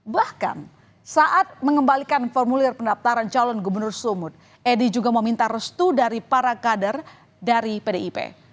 bahkan saat mengembalikan formulir pendaftaran calon gubernur sumut edi juga meminta restu dari para kader dari pdip